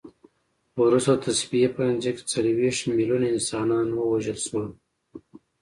وروسته د تصفیې په نتیجه کې څلوېښت میلیونه انسانان ووژل شول.